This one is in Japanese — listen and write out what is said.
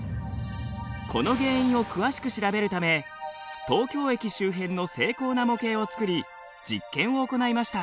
この原因を詳しく調べるため東京駅周辺の精巧な模型を作り実験を行いました。